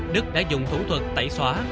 đức đã dùng thủ thuật tẩy xóa